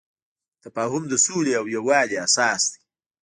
تفاهم د سولې او یووالي اساس دی.